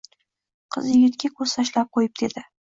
Qiz yigitga koʻz tashlab qoʻyib dedi.